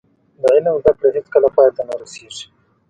د علم زده کړه هیڅکله پای ته نه رسیږي.